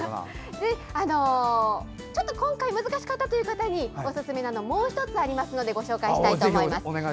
今回難しかったという方におすすめなのがもう１つありますのでご紹介したいと思います。